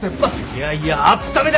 いやいやあっためだ！